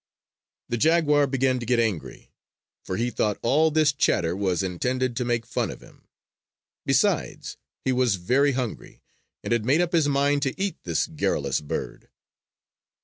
The jaguar began to get angry; for he thought all this chatter was intended to make fun of him. Besides, he was very hungry, and had made up his mind to eat this garrulous bird.